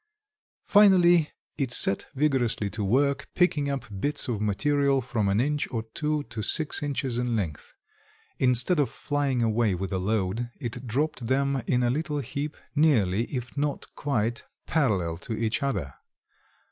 Finally it set vigorously to work picking up bits of material from an inch or two to six inches in length. Instead of flying away with a load it dropped them in a little heap nearly if not quite parallel to each other.